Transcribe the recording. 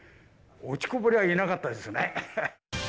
落ちこぼれはいなかったですね。